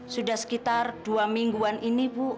sudah sekitar dua mingguan ini bu